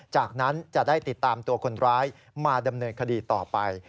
จากนั้นจะได้ติดตามตัวคนร้ายมาดำเนินคดีต่อไป